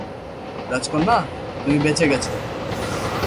রাজকন্যা, তুমি বেঁচে গেছো।